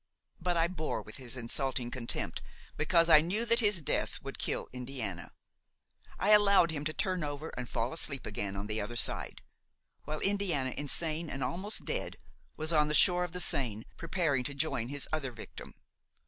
But I bore with his insulting contempt because I knew that his death would kill Indiana; I allowed him to turn over and fall asleep again on the other side, while Indiana, insane and almost dead, was on the shore of the Seine, preparing to join his other victim.